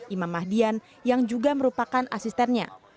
imam mahdian yang juga merupakan asistennya